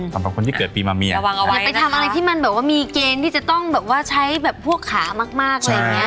สำหรับคนที่เกิดปีมาเมียระวังเอาไว้อย่าไปทำอะไรที่มันแบบว่ามีเกณฑ์ที่จะต้องแบบว่าใช้แบบพวกขามากมากอะไรอย่างเงี้